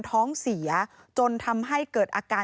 พ่อพูดว่าพ่อพูดว่าพ่อพูดว่า